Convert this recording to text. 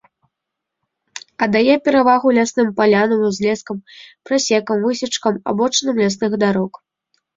Аддае перавагу лясным палянам, узлескам, прасекам, высечкам, абочынам лясных дарог.